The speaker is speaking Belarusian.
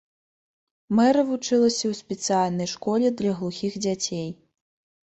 Мэры вучылася ў спецыяльнай школе для глухіх дзяцей.